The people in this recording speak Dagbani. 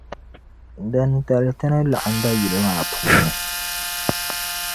Dindali tini laɣim ba yili maa puuni.